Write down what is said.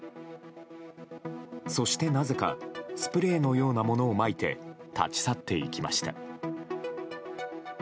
そしてなぜかスプレーのようなものをまいて立ち去っていきました。